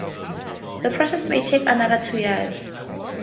The process may take another two years.